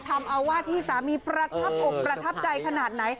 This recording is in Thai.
ทำเอาว่าที่สามีประทับอกประทับใจขนาดไหน